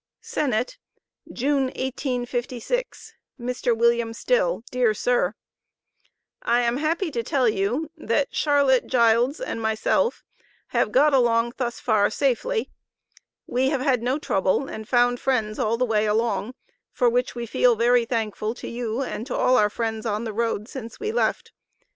SENNETT, June, 1856. MR. WILLIAM STILL: Dear Sir: I am happy to tell you that Charlotte Gildes and myself have got along thus far safely. We have had no trouble and found friends all the way along, for which we feel very thankful to you and to all our friends on the road since we left.